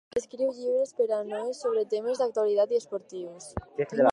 Escriu llibres per a nois sobre temes d'actualitat i esportius.